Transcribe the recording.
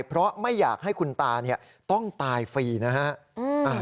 เพราะไม่อยากให้คุณตาต้องตายฟรีนะฮะ